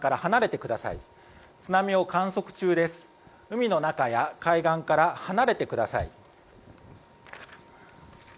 海の中や海岸から離れてください。